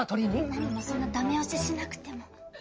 何もそんな駄目押ししなくても。